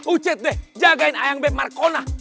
ocit deh jagain ayam b markona